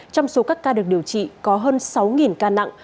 trong số các ca được điều trị có hơn sáu ca nặng